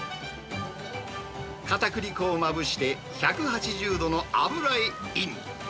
かたくり粉をまぶして１８０度の油へイン。